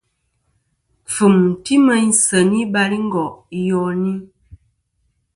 Kfɨ̀m ti meyn seyn i balingo' iyoni.